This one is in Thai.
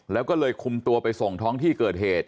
แล้วก็เลยคุมตัวไปส่งท้องที่เกิดเหตุ